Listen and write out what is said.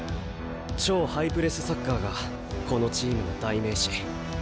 超ハイプレスサッカーがこのチームの代名詞。